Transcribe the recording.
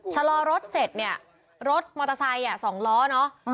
ชะลอรถเสร็จเนี่ยรถมอเตอร์ไซค์๒ล้อเนอะ